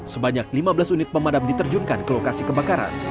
sebanyak lima belas unit pemadam diterjunkan ke lokasi kebakaran